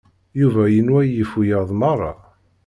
Yuba yenwa yif wiyaḍ meṛṛa.